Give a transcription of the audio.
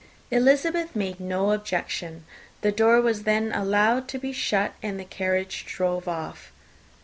Elizabeth made no objection: the door was then allowed to be shut, and the carriage drove off.